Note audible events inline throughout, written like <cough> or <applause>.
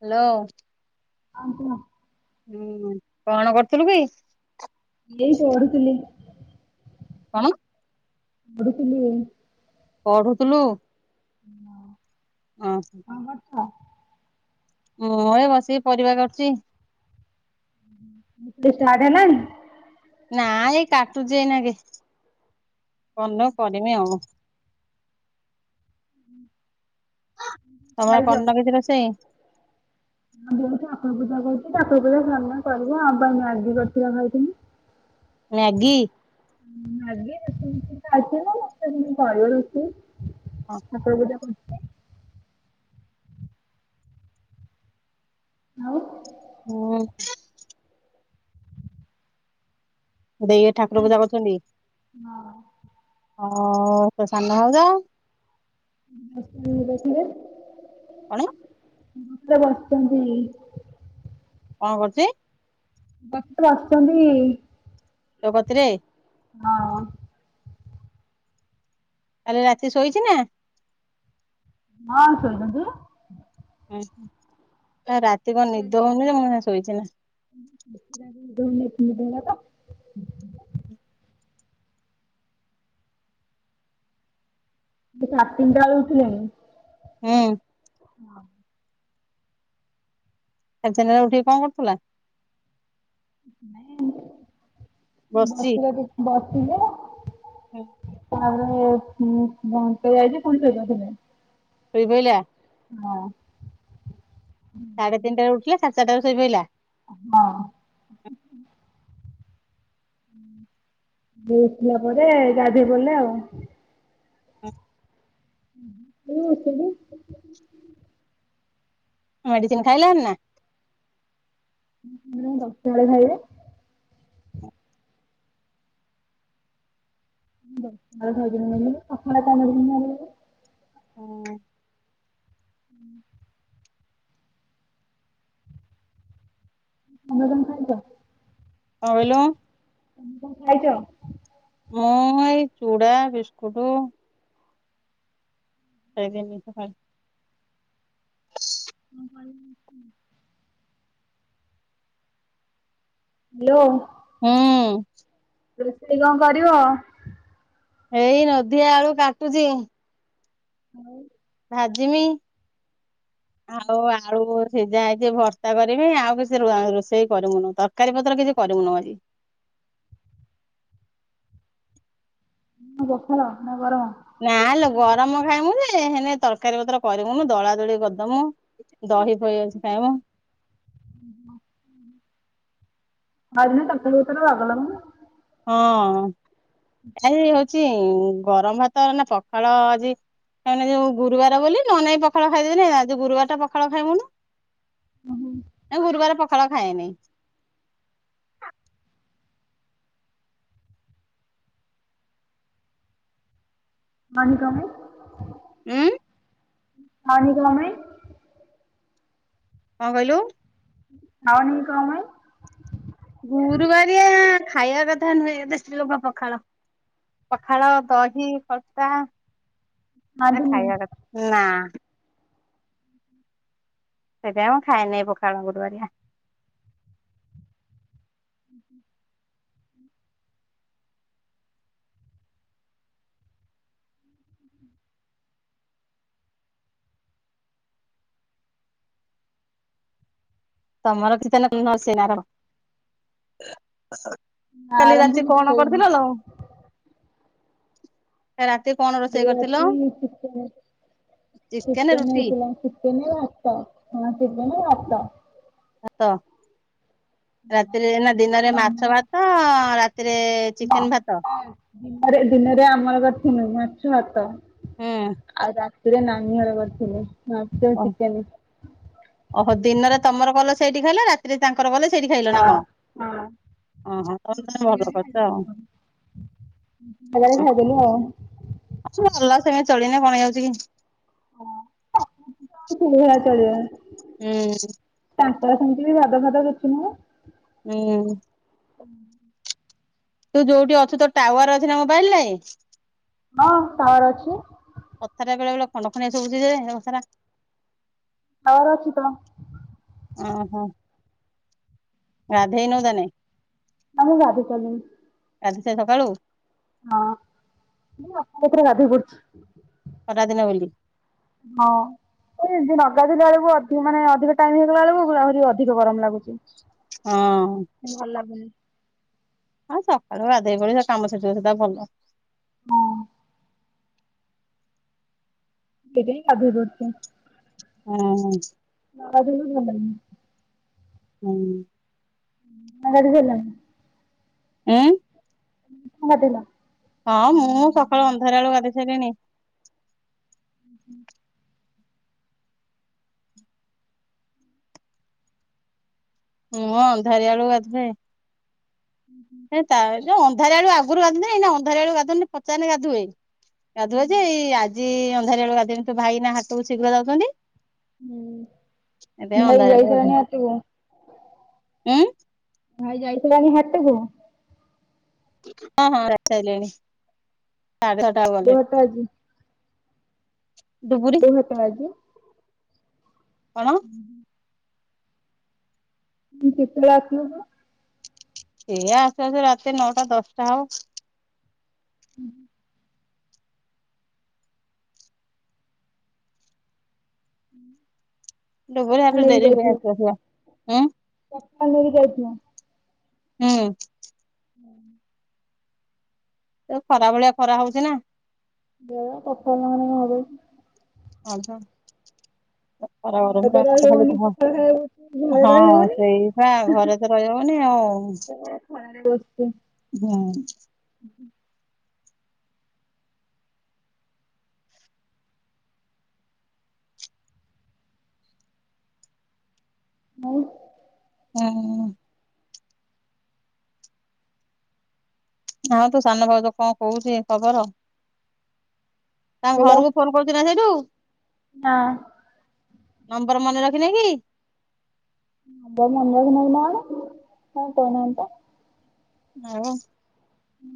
Hello. ହଁ କୁହ? ହୁଁ କଣ କରୁଥିଲୁ କି? ଏଇ ପଢୁଥିଲି। କଣ? ପଢୁଥିଲି। ପଢୁଥୁଲୁ? <unintelligible> ହଁ। କଣ କରୁଛ? ମୁଁ ଏଇ ବସିକି ପରିବା କାଟୁଚି। ତୁ ସାଢେ ନାହିଁଁ? ନା ଏଇ କାଟୁଛି ଏଇନା କେ କରିନଉ କରିମି ଆଉ। ତମର ଖାଇଛ? କରିନ କିଛି ରୋଷେଇ? ହଁ ବା ଠାକୁର ପୂଜା କରୁଚି <unintelligible> ମ୍ୟାଗି? ମ୍ୟାଗି <unintelligible> କରିବ ରୋଷେଇ। ଠାକୁର ପୂଜା କର ଆଉ? ହଁ। ଦେଇ ଏଇ ଠାକୁର ପୂଜା କରୁଛନ୍ତି। ଅଁ ତା ସାନ ଭାଉଜ? ରେଷେଇ ଘରେ ଥିବେ। କଣ? <unintelligible> ବସିଛନ୍ତି। କଣ କରୁଛି? ଶଶୁର ଆସିଚନ୍ତି। ତୋ କତିରେ। ହଁ। କାଲି ରାତି ଶୋଇଚି ନା? ହଁ ଶୋଇଚନ୍ତି। ହୁଁ। ରାତିରେ କଣ ନିଦ ହଉନି ନା, ମୁଁ ଏଇନା ଶୋଇଛି ନା। <unintelligible> ମୁଁ ସାଢେ ତିନିଟା ବେଳୁ ଉଠିଲିଣି। ହୁଁ। ହଁ। ଏତେ ଦିନ ହେଲାଣି ଉଠିକି କଣ କରୁଥିଲା? ବସିଛି <inaudible> ହୁଁ। <inaudible> ଶୋଇପଇଲା। ହଁ। ସାଢେ ତିନିଟାରେ ଉଠିଲା, ସାଢେ ଚାରିଟା ରେ ଶୋଇ ପଇଲା। ହଁ। ଉଠିଲା ପରେ ଗାଧେଇ ପଡ଼ିଲେ ଆଉ। ହୁଁ। <unintelligible> ମେଡିସିନ ଖାଇଲାଣି ନା? ଦଶଟା ବେଳେ ଖାଇବେ। ଦଶଟା ବେଳେ ଖାଇଛନ୍ତି <unintelligible> ହୁଁ। ତମେ କଣ ଖାଇଛ? କଣ କହିଲୁ? ତମେ କଣ ଖାଇଛ? ମୁଁ ଏଇ ଚୁଡା, ବିସ୍କୁଟୁ <unintelligible> <unintelligible> ହ୍ୟାଲୋ। ହୁଁ। ରୋଷେଇ କଣ କରିବ? ଏଇ ନୋଧି ଆଳୁ କାଟୁଚି। ଆଉ। ଭାଜିମି। ଆଉ ଆଳୁ। ସିଝା ହେଇଛି ଭର୍ତା କରିବି। ଆଉ କିଛି ରୋଷେଇ କରିମୁନୁ। ତରକାରୀ ପତ୍ର କିଛି କରିମୁନୁ ଆଜି। ପଖାଳ ନା ଗରମ? ନା ଲୋ ଗରମ ଖାଇମୁ ଯେ। ହେନେ ତରକାରୀ ପତ୍ର କରିମୁନୁ ଦଳା ଦଳି କରିଦମୁ। ଦହି ଫହି ଅଛି ଖାଇବୁ। <unintelligible> ଆଉ <unintelligible> ତରକାରୀ ପତ୍ର ବାଗ ଲାଗୁନି। ହଁ, ଆରେ ହଉଚିଇଁ ଗରମ ଭାତ ନା ପଖାଳ ଆଜି ତାମାନେ ଯୋଉ ଗୁରୁବାର ବୋଲି ନହନେ ଏଇ ପଖାଳ ଖାଇଦେଇଥିନେ <unintelligible> ଆଜି ଗୁରୁବାରଟା ପଖାଳ ଖାଇମୁନୁ। ନାଇ ଗୁରୁବାର ପଖାଳ ଖାଏନି। ଖାଅନି କଣ ପାଇଁ? ଉଁ ଖାଅନି କଁ ପାଇଁ? କଁ କହିଲୁ? ଖାଅନି କଁ ପାଇଁ? ଗୁରୁବାରଆ ଖାଇବା କଥା ନୁହେଁ ବେଶୀ ଲୋକ ପଖାଳ। ପଖାଳ, ଦହି, ଖଟା କାନ୍ଦିନି ଖାଇବା କଥା, ନାଁ। ସେଇଥିପାଇଁ ମୁଁ ଖାଇନେଇ ପଖାଳ ଗୁରୁବାରିଆ। <inaudible> ତମର <unintelligible> କାଲି ଆରମ୍ଭ ରାତି କିଛି କଣ ହେଇନି। କରିଥିଲ ଲୋ? ଏ ରାତି କଣ ରୋଷେଇ କାଲି କରିଥିଲ? ରାତି ଚିକେନ, ଚିକେନ ହେଇଥିଲା। ଚିକେନ ଭାତ, ହଁ ଚିକେନ ଭାତ। ଭାତ, ରାତିରେ ନା ଦିନରେ ମାଛ ଭାତ, ରାତିରେ <unintelligible> ଚିକେନ ଭାତ ହୁଁ ଦିନରେ ଦିନରେ ଆମର କରିଥିନୁ ମାଛ ଭାତ। ହୁଁ ଆଉ ରାତିରେ ନାନୀ ହର କରିଥିଲେ ମାଛ ଓ ଚିକେନ। ଓହୋ ଦିନରେ ତମର କଲ ସେଇଠି ଖାଇଲ, ରାତିରେ ତାଙ୍କର କଲେ ସେଇଠି ଖାଇଲ ନା ହଁ କଣ? ହଁ। ଅହଁ, ତମେ ତାହାଲେ ଭଲ କରିଚ ଆଉ। ସଜାରେ ଖାଇଦେଲୁ ଆଉ <unintelligible> ଭଲ ସେମିତି ଚଳିଗନେ କଣ ହେଇଯାଉଛି କି? <unintelligible> ହୁଁ। ତାଙ୍କର ସେମିତି ବି ବାଦ ଫାଦ କିଛି ନୁହେଁ। ଉଁ <inaudible> ତୁ ଯୋଉଠି ଅଛୁ ତୋର ଟାୱାର ଅଛି ନା ମୋବାଇଲରେ? ହଁ ଟାୱାର ଅଛି। କଥାଟା ବେଳେ ବେଳେ ଖଣ୍ଡ ଖଣ୍ଡିଆ ଶୁଭୁଚି ଯେ <unintelligible> ହଉ ରଖି ତ। ଅଁହଁ। ଗାଧେଇନୁ ତାନେ? ହଁ ମୁ ଗାଧେଇ ସାରିଲିଣି। ଗାଧେଇ ସା ସକାଳୁ? ହଁ, <unintelligible> ପଡୁଚି ଖରାଦିନ ବୋଲି? ହଁ। ଏମ୍ ତି ନ ଗାଧେଇଲା ବେଳକୁ ଅଧିକ ମାନେ ଅଧିକ ଟାଇମ୍ ହେଇଗଲା ବେଳକୁ ଗୁଳ୍ ଆହୁରି ଅଧିକ ଗରମ ଲାଗୁଛି। ହଁ। <unintelligible> ହଁ ସକାଳୁ ଗାଧେଇ ପଳେଇବୁ ସେ କାମ ସେତିକ ସୁଧା ଭଲ। ହଁ ସେଇଥିପାଇଁ ଗାଧେଇ ପଡୁଛି। ହୁଁ। ଅଜନ ଭଲଁ ହୁଁ। <unintelligible> ଏଁ <unintelligible> ଦେଲ। ହଁ ମୁଁ ସକାଳୁ ଅନ୍ଧାର ବଳୁ ଗାଧେଇ ସାଇଲିଣି। ହୁଁ। ହୁଁ ଅନ୍ଧାରିଆ ବେଳକୁ ଗାଧିବେ <inaudible> ତା ଜଉ ଅଧାରିଆ ଆଳୁ ଆଗରୁ ଗାଧୁଏ ନଇନା ଅଧାରୁଆ ବେଳୁ ଗଧେଉନି ଫଚା ହେଲେ ଗାଧୁଏ। ଗାଧୁଏ ଯେ ଆଜି ଅନ୍ଧାରିଆ ବେଳକୁ ଗାଧେଇମୀ ତୋ ଭାଇ ନା ହାଟ କୁ ଶୀଘ୍ର ଯାଉଛନ୍ତି। ହୁଁ ସେଥିପାଇଁ ଭାଇ ଅନ୍ଧାରିଆ ଯାଇ ବେଳୁ ଗାଧେଇନି ସାଇଲାଣି ହାଟ କୁ? ଉଁ। ଭାଇ ଯାଇ ସାଇଲାଣି ହାଟ କୁ? ହଁ ହଁ ଯାଇ ସାଇଲେଣି <unintelligible> କୋଉ ହାଟ ଆଜି? ଡ଼ୁବୁରୀ। କୋଉ ହାଟ ଆଜି କଣ? <unintelligible> କେତେବେଳେ ଆସିବ ସେ? ସେଏ ଆସୁ ଆସୁ ରାତି ନଅଟା ଦଶଟା ହବ। ହୁଁ ଡ଼ୁବୁରୀ ସକାଳେ ହାଟରୁ ଡେରି ହୁଏ ଆସୁ ଆସୁ କା। ହୁଁ। ଛତା ନେଇକି ଯାଇଥିବ। ହୁଁ <unintelligible> ଯୋ ଖରା ଭଳିଆ ଖରା ହଉଛି ନା? ସେଇଆ ଛତା ନ ନେଲେ କଣ ହବକି? <unintelligible> ଗରମ ଘରେ ତ ରହି ହଉନି ଖାଲି ପଖାଳ ଖାଇବାକୁ ଘରେ <unintelligible> ରହି ହଁ ହଉନି ସେଇପା ଘରେ ତ ରହିହବନି ଆଉ।। <unintelligible> ଖଳା ରେ ବସିଚି। ହଁ। <inaudible> <unintelligible> ହଁ ହଁ ତୋ ସାନ ଭାଉଜ କଣ କହୁଛି ଖବର? ତାଙ୍କ ଭଲ? ଘରକୁ ଫୋନ୍ ହୋଉଛି ନା ସେଇଠୁ। ନା। ନମ୍ବର ମନେ ରଖିନେଇ କି? <unintelligible> କଣ କହୁନାହାନ୍ତି ତ? <unintelligible> ହୁଁ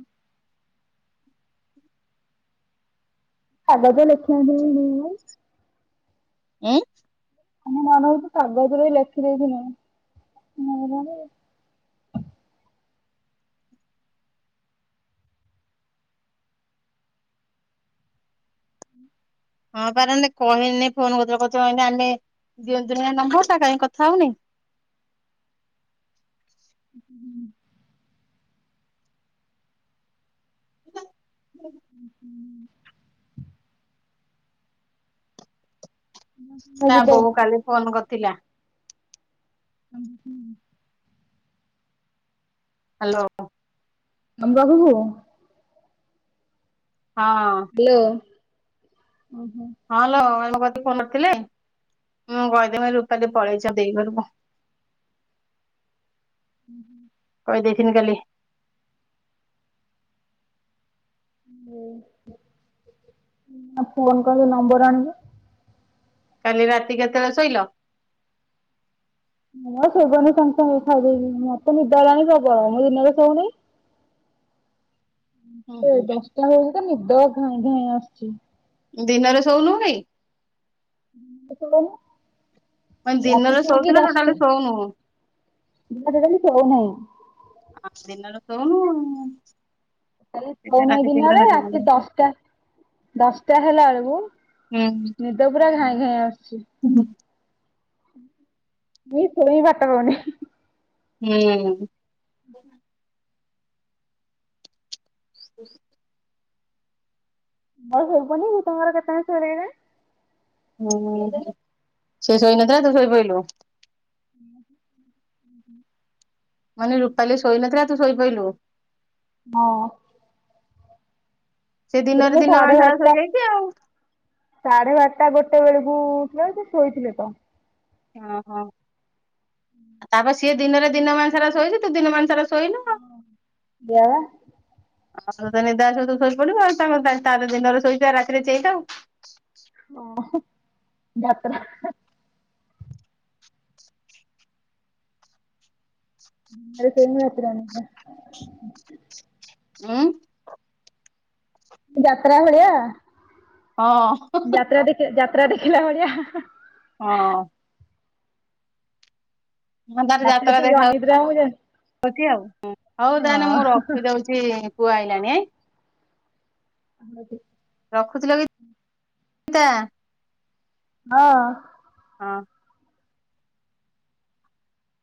କାଗଜ ଲେଖି <unintelligible> ଉଁ ଆମେ ମନ ହଉଛୁ କାଗଜରେ ବି ଲେଖି ଦେଇେଥିଲେ। <unintelligible> ହଁ ପାରେ କହିନେ ଫୋନ୍ କରିଦେଲା କହିଲି ଆମେ ଦିଅନ୍ତୁନି ନମ୍ବର ଟା କାହିଁ କଥା ହଉନି। ହୁଁ <unintelligible> ହୁଁ ତା ଯିବ ବୋଉ କାଲି ଫୋନ୍ କରିଥିଲା। ଓ ହୁଁ ହ୍ୟାଲୋ ତମ ପାଖକୁ? ହଁ ହ୍ୟାଲୋ ଓହୋ। ହଁ ଲୋ ଆମ କତିକି କରିଥିଲେ, ମୁଁ କହିଦେବି ରୂପାଲି ପଳେଇଛି ଦେଇ ଘର କୁ। <unintelligible> କହି ଦେଇଥିଲି କାଲି। ଓହ ଫୋନ୍ କଲେ ନମ୍ବର ଆଣିଲୁ? କାଲି ରାତି କେତେବେଳେ ଶୋଇଲ? ହଁ ଶୋଇପଇଲି ସାଙ୍ଗେ ସାଙ୍ଗେ ଖାଇଦେଇକି, ମତେ ନିଦ ହେଲାଣି ପ୍ରବଳ ମୁଁ ଦିନରେ ଶୋଉନି। ମତେ ଦଶଟା ବେଳକୁ ତ ନିଦ ଘାଇଁ ଘାଇଁ ଆସୁଛି। ଦିନରେ ଶୋଉନୁ କି? କିଛି ହେଇନି ମାନେ ରାତି ଦିନରେ ଠିକ୍ ଶୋଉଛୁ ନା ଟୋଟାଲି ଦଶଟା ଶୋଉନୁ? ଦିନରେ ବି ଶୋଉନାହିଁ। ଆ ଦିନରେ ଶୋଉନୁ ଆଉ। କାଲି ଶୋଉନେଇ ଦିନରେ ରାତି ପର୍ଯ୍ୟନ୍ତ। ଦଶଟା, ଦଶଟା ହେଲା ବେଳକୁ ହୁଁ ନିଦ ପୁରା ଘାଇଁ ଘାଇଁ ଆସୁଛି। <unintelligible> ମୁଇଁ ଶୋଇବି ବାଟ ପାଉନି। ହୁଁ <unintelligible> <inaudible> ମୁଁ ଶୋଇପଇଲି, ସେ ତାଙ୍କର କେତେବେଳେ ଶୋଇଲେ କେଯାଣେ। ଉଁ ହୁଁ, ସେ ଶୋଇନଥିଲା ତୁ ଶୋଇ ପଇଲୁ? <unintelligible> ମାନେ ରୂପାଲି ଶୋଇ ନଥିଲା ତୁ ଶୋଇପଇଲୁ? ହଁ ସେ ତାପରେ ଦିନରେ ମୁଁ ସାଢେ ଦିନମାନ ସାରା ବାରଟା ଶୋଇଯାଇଛି ଆଉ। ସାଢେ ବାରଟା ଗୋଟେ ବେଳକୁ ଉଠିଲି ସେ ଶୋଇଥିଲେ ତ। ଓହୋ ତାପରେ ସିଏ ଦିନରେ ଦିନମାନ ସାରା ଶୋଇଛି ତୁ ଦିନମାନ ସାରା ଶୋଇନୁ? ସେଇଆ ଵା। ଆଉ ତତେ ନିଦ ଆସିବ ତୁ ଶୋଇ ପଡିବୁ ଆ ତାଙ୍କର ତାର ଦିନରେ ଶୋଇଛି ରାତିରେ ଚେଇଁଥାଉ। ଓହୋ ଯାତ୍ରା। ଦିନରେ ଶୋଇବୁ ରାତିରେ ଅନିଦ୍ରା। ଉଁ ଯାତ୍ରା ଭଳିଆ, ହଁ। ଯାତ୍ରା ଦେ ଯାତ୍ରା ଦେଖିଲା ଭଳିଆ। ହଁ ହଁ ତାର ରାତିରେ ଯାତ୍ରା ଟିକେ ଦେଖା ଅନିଦ୍ରା ଯେ ହଉ ହଉଛି ଆଉ, ହଉ ହଁ ତାହେଲେ ମୁଁ ରଖିଦଉଛି। ଛି ପୁଅ ଆଇଲାଣି। <unintelligible> ରଖୁଚିଲୋ ଗୀତା। ହଁ। ହଁ।